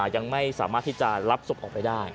ยังไม่สามารถที่จะรับศพออกไปได้